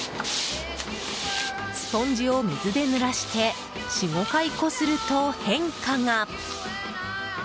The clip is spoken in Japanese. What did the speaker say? スポンジを水で濡らして４、５回こすると、変化が。